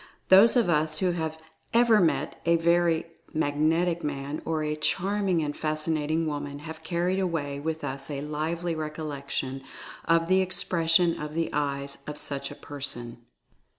Those of us who have ever met a very "mag netic" man, or a "charming and fascinating" woman, have carried away with us a lively recollection of "the expression of the eyes" of such a person.